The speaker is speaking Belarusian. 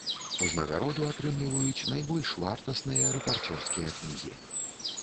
Узнагароду атрымліваюць найбольш вартасныя рэпарцёрскія кнігі.